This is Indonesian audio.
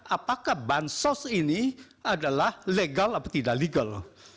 apakah bansos ini adalah legal atau tidak legal